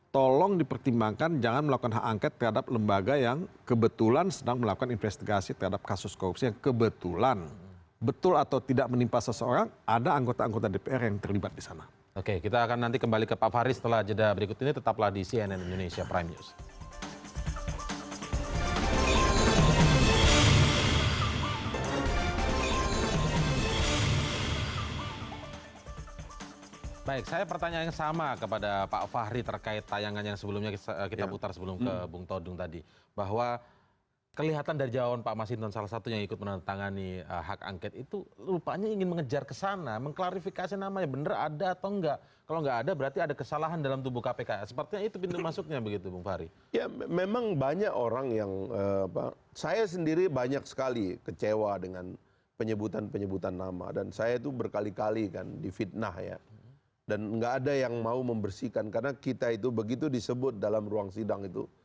tolong dipertimbangkan jangan melakukan hak angket terhadap lembaga yang kebetulan sedang melakukan investigasi terhadap kasus korupsi yang kebetulan